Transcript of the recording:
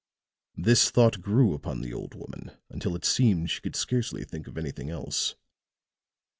"This thought grew upon the old woman until it seemed she could scarcely think of anything else.